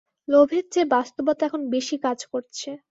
লোভের চেয়ে বাস্তবতা এখন বেশি কাজ করছে।